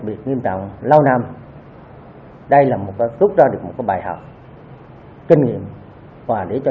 biệt nghiêm trọng lao nằm ở đây là một cái rút ra được một cái bài học kinh nghiệm và để cho